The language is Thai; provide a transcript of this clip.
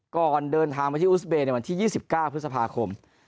ก่อนเดินทางมาที่อุสเบย์ในวันที่๒๙พฤษภาคม